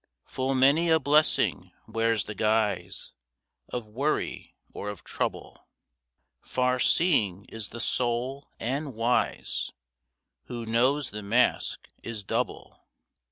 Full many a blessing wears the guise Of worry or of trouble; Far seeing is the soul, and wise, Who knows the mask is double.